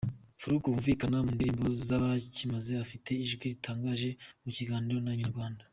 Faruku wumvikana mu ndirimbo z’Abakimaze afite ijwi ritangaje, mu kiganiro na Inyarwanda.